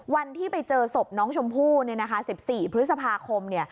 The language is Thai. วันที่ไปเจอศพน้องชมพู่๑๔พฤษภาคม